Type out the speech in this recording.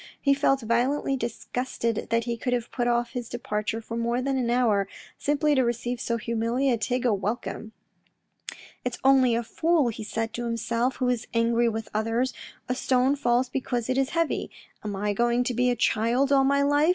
He felt violently disgusted that he could have put off his departure for more than an hour, simply to receive so hum ilia tig a welcome. " It is only a fool," he said to himself, " who is angry with others ; a stone falls because it is heavy. Am I going to be a child all my life